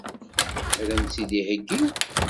Ad m-tt-id-iheggi?